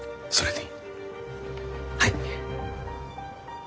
はい。